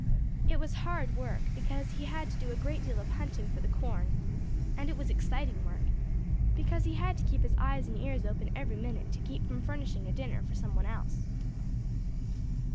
It was hard work, because he had to do a great deal of hunting for the corn; and it was exciting work, because he had to keep his eyes and ears open every minute to keep from furnishing a dinner for some one else.